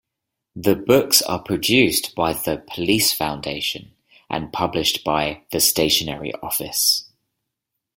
The books are produced by the Police Foundation and published by The Stationery Office.